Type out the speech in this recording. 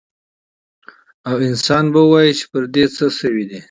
او انسان به ووايي چې پر دې څه شوي دي؟